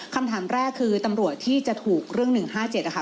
คำถามแรกคือตำรวจที่จะถูกเรื่อง๑๕๗นะคะ